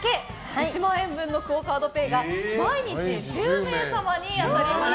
１万円分のＱＵＯカードＰａｙが毎日１０名様に当たります。